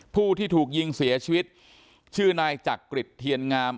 ผู้ที่ถูกยิงเสียชีวิตชื่อนายจักริจเทียนงาม